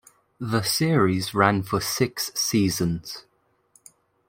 The series ran for six seasons.